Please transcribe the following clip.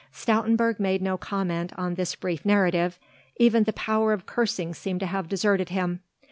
Stoutenburg made no comment on this brief narrative, even the power of cursing seemed to have deserted him.